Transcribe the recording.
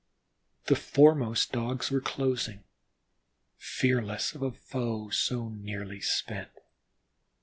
The foremost Dogs were closing, fearless of a foe so nearly spent.